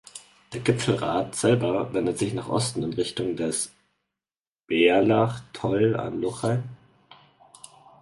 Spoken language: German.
Der Gipfelgrat selber wendet sich nach Osten in Richtung des "Bealach Toll an Lochain".